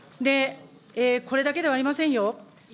これだけではありませんよ。